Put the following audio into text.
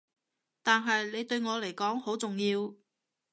但係你對我嚟講好重要